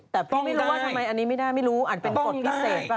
แต่พี่ไม่รู้ว่าทำไมอันนี้ไม่น่าไม่รู้อ่านเป็นกฎพิเศษป่